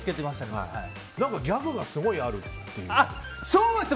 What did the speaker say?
ギャグがすごいあるっていう。